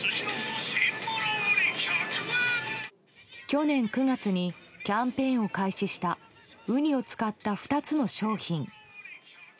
去年９月にキャンペーンを開始したウニを使った２つの商品。